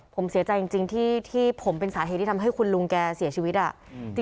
ผมเสียใจจริงที่ผมเป็นสาเหตุที่ทำให้คุณลุงแกเสียชีวิตอ่ะ